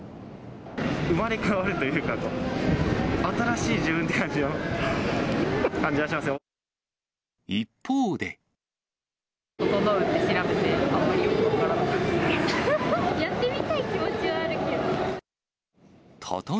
生まれ変わるというか、新しい自分っていう感じがしますよ。